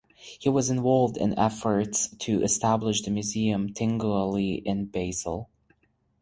He was involved in efforts to establish the Museum Tinguely in Basel.